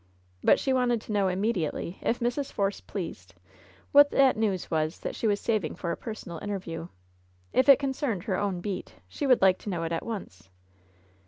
But she wanted to know immediately, if Mrs. Force pleased, what that news was that she was saving for a personal interview. If it concerned her own ^^eat," she would like to know it at once.